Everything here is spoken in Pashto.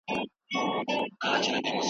دا د اسلامي اخلاقو غوښتنه ده.